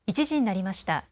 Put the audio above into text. １時になりました。